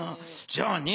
じゃあね